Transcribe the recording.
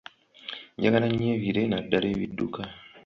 Njagala nnyo ebire naddala ebidduka.